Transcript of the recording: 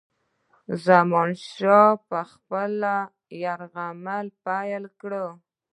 زمانشاه به خپل یرغل پیل کړي.